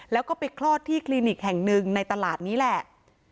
แล้วก็ไปคลอดที่คลินิกแห่งหนึ่งในตลาดนี้แหละ